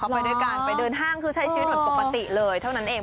ไปด้วยกันไปเดินห้างคือใช้ชีวิตเหมือนปกติเลยเท่านั้นเอง